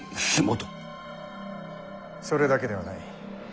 それだけではない。